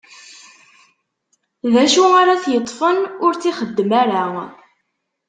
D acu ara t-yeṭṭfen ur tt-ixeddem ara?